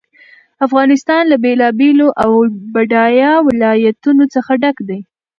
افغانستان له بېلابېلو او بډایه ولایتونو څخه ډک دی.